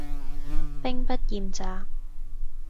兵不厭詐